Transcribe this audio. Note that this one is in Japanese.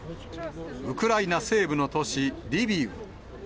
ウクライナ西部の都市リビウ。